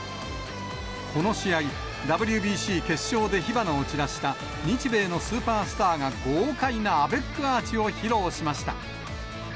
この試合、ＷＢＣ決勝で火花を散らした日米のスーパースターが豪快なアベックアーチを披露しました。